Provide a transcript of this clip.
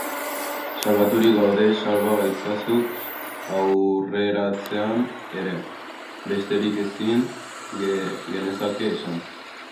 Salbaturik gaude, salba gaitzazu aurrerantzean ere! Besterik ezin genezake esan.